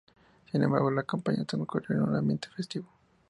Sin embargo, la campaña transcurrió en un ambiente festivo.